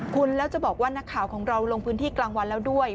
คุณแล้วจะบอกว่านักข่าวของเราลงพื้นที่กลางวันแล้วด้วย